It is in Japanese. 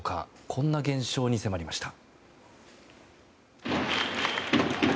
こんな現象に迫りました。